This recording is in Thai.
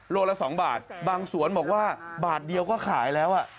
โลละ๒บาทบางสวนบอกว่าบาทเดียวก็ขายแล้ว